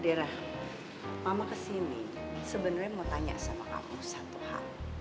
daerah mama kesini sebenarnya mau tanya sama kamu satu hal